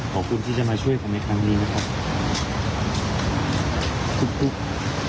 ขอบคุณที่จะมาช่วยผมในครั้งนี้นะครับ